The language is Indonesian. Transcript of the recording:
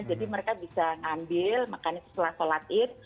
jadi mereka bisa ngambil makannya setelah sholat id